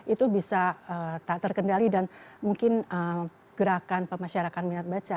itu bisa tak terkendali dan mungkin gerakan pemasyarakat minat baca